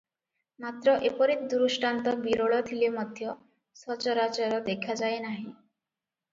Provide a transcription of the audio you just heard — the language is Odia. ମାତ୍ର ଏପରି ଦୃଷ୍ଟାନ୍ତ ବିରଳ ଥିଲେ ମଧ୍ୟ ସଚରାଚର ଦେଖାଯାଏ ନାହିଁ ।